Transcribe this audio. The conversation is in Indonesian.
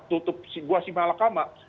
tutup gua sibah alakama